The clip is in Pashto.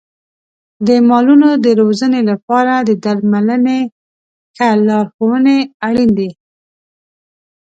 د مالونو د روزنې لپاره د درملنې ښه لارښونې اړین دي.